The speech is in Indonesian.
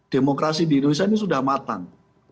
demokrasi di indonesia ini sudah matang